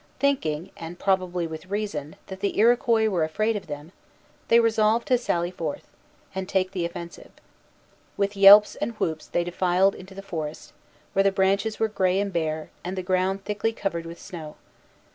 Thinking, and probably with reason, that the Iroquois were afraid of them, they resolved to sally forth, and take the offensive. With yelps and whoops they defiled into the forest, where the branches were gray and bare, and the ground thickly covered with snow.